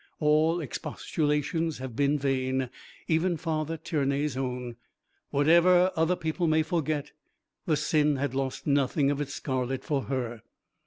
All expostulations have been vain, even Father Tiernay's own. Whatever other people may forget, the sin has lost nothing of its scarlet for her.